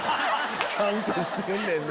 ちゃんとしてんねんな。